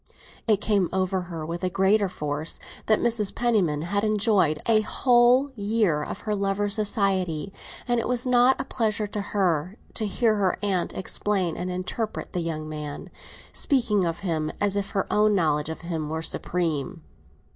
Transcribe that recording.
It came over her with a greater force that Mrs. Penniman had enjoyed a whole year of her lover's society, and it was not a pleasure to her to hear her aunt explain and interpret the young man, speaking of him as if her own knowledge of him were supreme.